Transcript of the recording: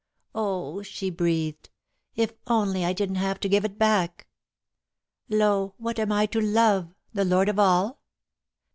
... "Oh," she breathed, "if only I didn't have to give it back!" "Lo! what am I to Love, the lord of all?